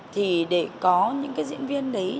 thì để có những cái diễn viên đấy